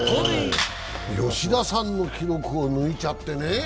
吉田さんの記録を抜いちゃってね。